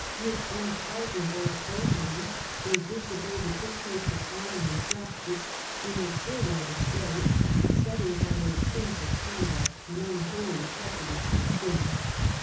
With unpardonable effrontery they disobey the dictates of honour and justice in the full light of day, setting by their sinful conduct an unholy precedent for sin.